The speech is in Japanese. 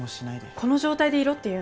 この状態でいろっていうの？